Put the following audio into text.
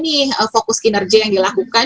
maksudnya ini adalah fokus kinerja yang dilakukan